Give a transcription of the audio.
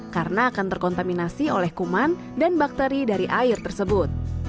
karena akan terkontaminasi oleh kuman dan bakteri dari air tersebut